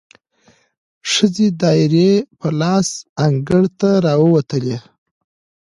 ښځې دایرې په لاس انګړ ته راووتلې،